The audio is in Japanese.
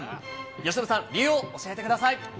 由伸さん、理由を教えてください。